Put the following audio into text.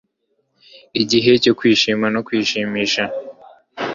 igihe cyo kwishima no kwishimisha